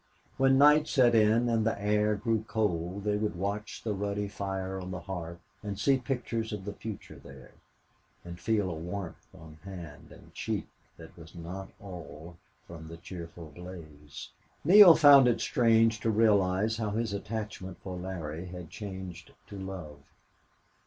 When night set in and the air grew cold they would watch the ruddy fire on the hearth and see pictures of the future there, and feel a warmth on hand and cheek that was not all from the cheerful blaze. Neale found it strange to realize how his attachment for Larry had changed to love.